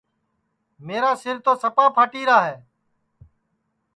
میرا تو سِر سپا پھاٹیرا ہے